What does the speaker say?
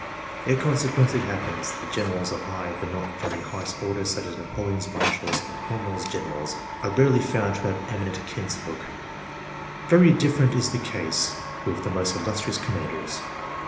It con sequently happens that generals of high, but not the very highest order, such as Napoleon's marshals and Cromwell's generals, are rarely found to have eminent kinsfolk. Very different is the case, with the most illustrious commanders.